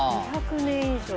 「２００年以上」